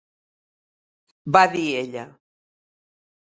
va dir ella.